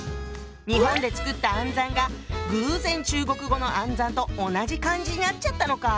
日本でつくった「暗算」が偶然中国語の「暗算」と同じ漢字になっちゃったのか。